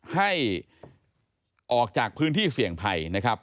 ให้ออกจากพื้นที่เสี่ยงภัยนะครับ